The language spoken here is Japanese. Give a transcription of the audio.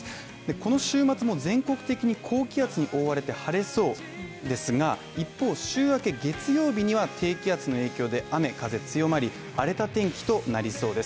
この週末も全国的に高気圧に覆われて晴れそうですが、一方週明け月曜日には低気圧の影響で、雨風強まり荒れた天気となりそうです。